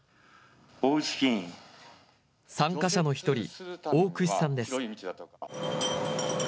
参加者の１人、大櫛さんです。